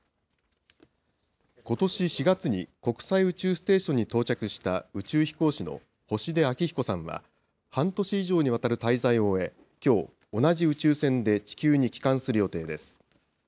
ことし４月に国際宇宙ステーションに到着した宇宙飛行士の星出彰彦さんは、半年以上にわたる滞在を終え、きょう、同じ宇宙船で地球に帰還する予定です。